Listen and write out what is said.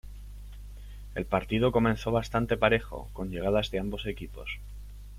El partido comenzó bastante parejo, con llegadas de ambos equipos.